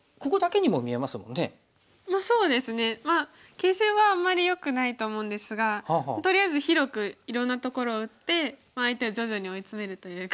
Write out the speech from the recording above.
形勢はあんまりよくないと思うんですがとりあえず広くいろんなところを打って相手を徐々に追い詰めるというか。